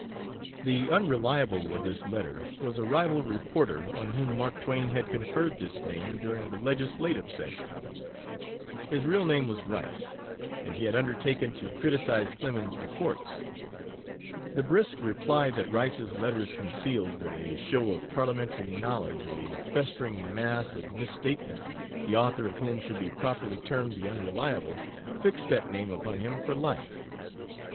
The "Unreliable" of this letter was a rival reporter on whom Mark Twain had conferred this name during the legislative session. His real name was Rice, and he had undertaken to criticize Clemens's reports. The brisk reply that Rice's letters concealed with a show of parliamentary knowledge a "festering mass of misstatements the author of whom should be properly termed the 'Unreliable," fixed that name upon him for life.